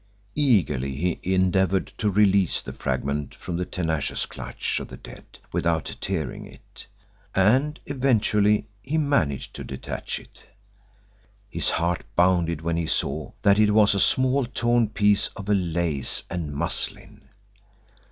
Eagerly he endeavoured to release the fragment from the tenacious clutch of the dead without tearing it, and eventually he managed to detach it. His heart bounded when he saw that it was a small torn piece of lace and muslin.